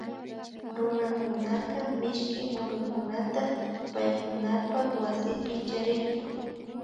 Runakunaka mishki murukunata paykunapak waspi charirka